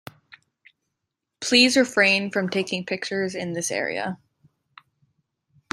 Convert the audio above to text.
Please refrain from taking pictures in this area.